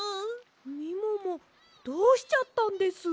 みももどうしちゃったんです？